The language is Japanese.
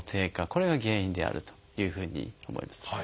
これが原因であるというふうに思います。